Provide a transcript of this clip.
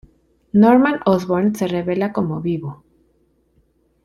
Norman Osborn se revela como vivo.